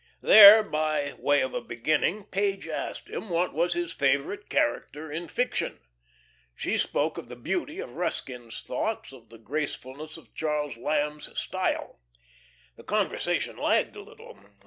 There, by way of a beginning, Page asked him what was his favourite character in fiction. She spoke of the beauty of Ruskin's thoughts, of the gracefulness of Charles Lamb's style. The conversation lagged a little.